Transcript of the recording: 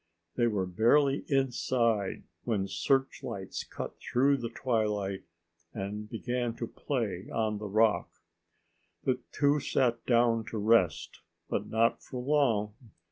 They were barely inside when search lights cut through the twilight and began to play on the rock. The two sat down to rest, but not for long.